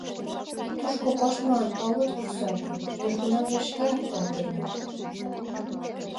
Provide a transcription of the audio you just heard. Тушко коштмылан огыт вурсо ыле, южгунамже шкеак колтеныт...